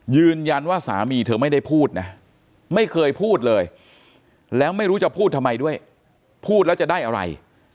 ยืนยันว่าสามีเธอไม่ได้พูดนะไม่เคยพูดเลยแล้วไม่รู้จะพูดทำไมด้วยพูดแล้วจะได้อะไร